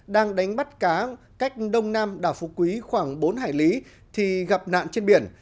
đang đánh bắt cá cách đông nam đảo phú quý khoảng bốn hải lý thì gặp nạn trên biển